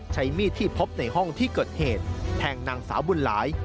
ใช้มีดที่พบในห้องที่เกิดเหตุแทงนางสาวบุญหลาย